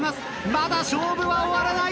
まだ勝負は終わらない。